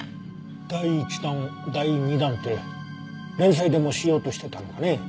第１弾第２弾って連載でもしようとしてたのかね。